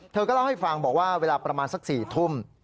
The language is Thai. เธอก็เล่าให้ฟังบอกว่าเวลาประมาณสัก๔ทุ่ม